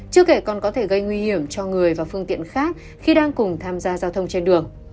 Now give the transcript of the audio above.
chưa kể còn có thể gây nguy hiểm cho người và phương tiện khác khi đang cùng tham gia giao thông trên đường